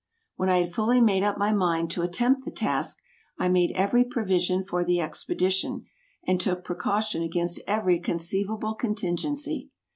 When I had fully made up my mind to attempt the task, I made every provision for the expedition, and took precaution against every conceivable contingency.